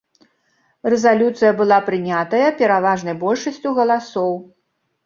Рэзалюцыя была прынятая пераважнай большасцю галасоў.